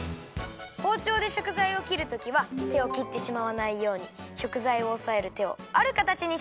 「ほうちょうで食材を切るときは手を切ってしまわないように食材をおさえる手をあるかたちにします。